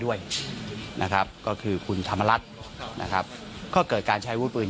ด้วยนะครับก็คือคุณธรรมรัฐนะครับก็เกิดการใช้วุฒิปืน